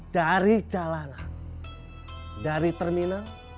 dari jalanan dari terminal